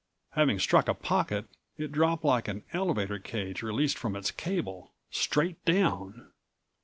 Having struck a pocket, it dropped like an elevator cage released from its cable, straight down.